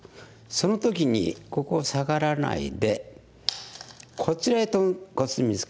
その時にここをサガらないでこちらへとコスミツケて。